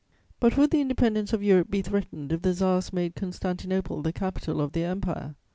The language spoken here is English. "But would the independence of Europe be threatened if the Tsars made Constantinople the capital of their Empire?